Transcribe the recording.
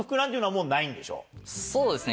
そうですね。